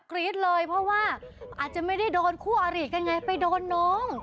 รี๊ดเลยเพราะว่าอาจจะไม่ได้โดนคู่อารีกันไงไปโดนน้อง